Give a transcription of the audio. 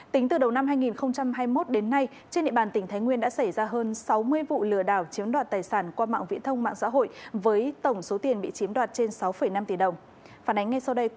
tính từ đầu năm hai nghìn hai mươi một đến nay trên địa bàn tỉnh thái nguyên đã xảy ra hơn sáu mươi vụ lừa đảo chiếm đoạt tài sản qua mạng viễn thông mạng xã hội